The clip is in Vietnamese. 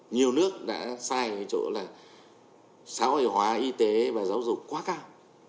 nhiều nước đã sai ở chỗ là xã hội hóa y tế và giáo dục quá cao